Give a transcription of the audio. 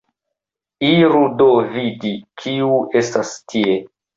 Iru do vidi, kiu estas tie.